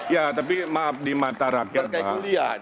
ya tapi maaf di mata rakyat pak